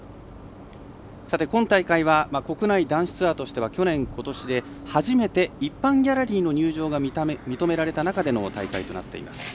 今大会は国内男子ツアーとしては去年、ことしで初めて、一般ギャラリーの入場が認められた中での大会となっています。